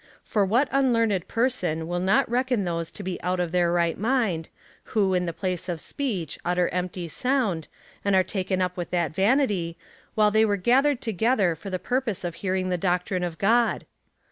For what unlearned person will not reckon those to be out of their right mind, who, in place of speech, utter empty sound, and are taken up with that vanity, while they were gathered together for the purpose of hearing the doctrine of God